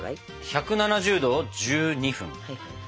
１７０℃１２分。